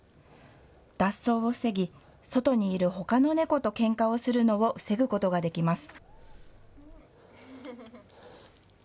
脱走を防ぎ、外にいるほかの猫とけんかをするのを防ぐことができます。